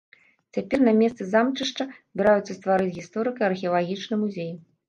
Цяпер на месцы замчышча збіраюцца стварыць гісторыка-археалагічны музей.